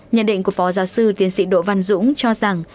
nhận định của phó giáo sư tiến sĩ đỗ văn dũng cho rằng